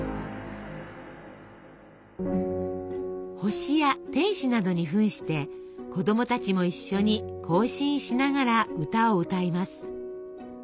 星や天使などにふんして子供たちも一緒に行進しながら歌を歌います。